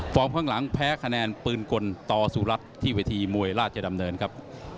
ฟอร์มข้างหลังแพ้คะแนนปืนกลต่อสู่รัฐที่วิธีมวยราชดำเนินครับ